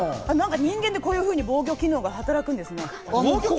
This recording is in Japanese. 人間ってこういうふうに防御反応が働くんですね。